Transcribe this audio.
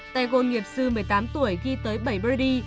tài gồm nghiệp sư một mươi tám tuổi ghi tới bảy birdie